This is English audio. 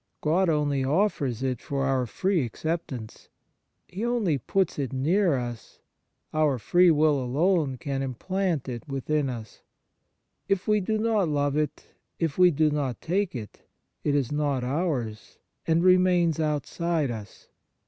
God only offers it for our free acceptance. He only puts it near us ; our free will alone can implant it within us. If we do not love it, if we do not take it, it is not ours, and remains outside us.